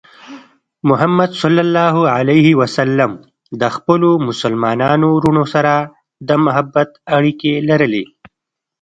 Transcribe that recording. محمد صلى الله عليه وسلم د خپلو مسلمانو وروڼو سره د محبت اړیکې لرلې.